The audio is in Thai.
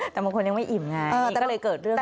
แต่มงคลยังไม่อิ่มไงก็เลยเกิดเรื่องขึ้นมา